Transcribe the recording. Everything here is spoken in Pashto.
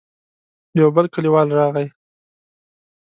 يو بل کليوال راغی.